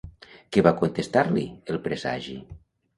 Què va contestar-li el presagi?